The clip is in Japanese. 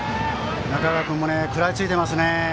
中川君も食らいついていますね。